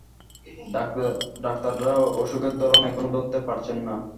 ডাক্তাররা অসুখের ধরন এখনও ধরতে পারছেন না।